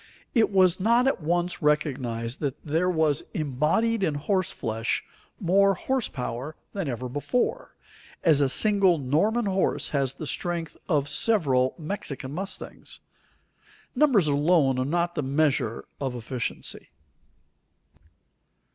It was not at once recognized that there was embodied in horse flesh more horse power than ever before, as a single Norman horse has the strength of several Mexican mustangs. Numbers alone are not the measure of efficiency.